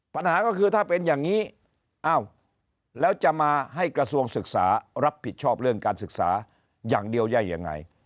ปัญหาก็คือถ้าเป็นอย่างนี้อ้าวแล้วจะมาให้กระทรวงศึกษารับผิดชอบเรื่องการศึกษาอย่างเดียวได้ยังไง